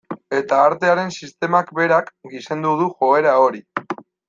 Eta artearen sistemak berak gizendu du joera hori.